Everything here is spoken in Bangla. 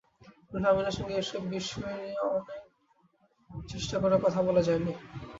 রুহুল আমিনের সঙ্গে এসব বিষয় নিয়ে অনেক চেষ্টা করেও কথা বলা যায়নি।